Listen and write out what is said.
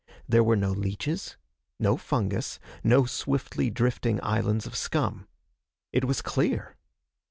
There were no leeches. No fungus. No swiftly drifting islands of scum. It was clear.